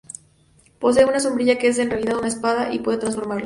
Posee una sombrilla que es en realidad una espada y puede transformarla.